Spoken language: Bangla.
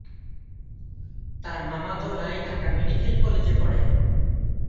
তার মামাতো ভাই ঢাকা মেডিকেল কলেজে পড়ে।